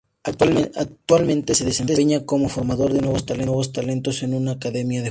Actualmente se desempeña como formador de nuevos talentos en una Academia de Fútbol.